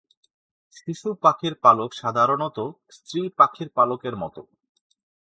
শিশু পাখির পালক সাধারণত স্ত্রী পাখির পালকের মতো।